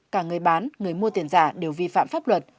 cả người bán người mua tiền giả đều vi phạm pháp luật